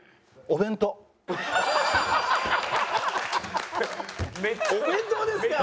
お弁当ですか？